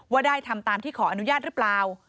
ว่าได้ทำตามที่ขออนุญาตหรือเปล่า